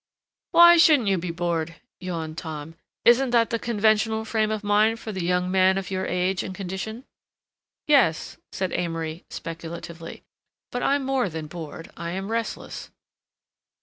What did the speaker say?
"Why shouldn't you be bored," yawned Tom. "Isn't that the conventional frame of mind for the young man of your age and condition?" "Yes," said Amory speculatively, "but I'm more than bored; I am restless."